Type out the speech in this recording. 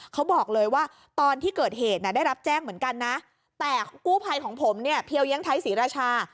เขาบอกเลยว่าตอนที่เกิดเหตุได้รับแจ้งเหมือนกันนะแต่กู้ภัยของผมเนี่ยเพียวเยี่ยงไทยศรีราชา